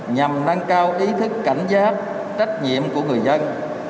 nhằm nâng cao ý thức cảnh giác trách nhiệm của người dân